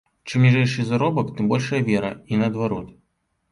Чым ніжэйшы заробак, тым большая вера і наадварот.